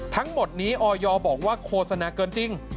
ทั้งหมดนี้ออยบอกว่าโฆษณาเกินจริง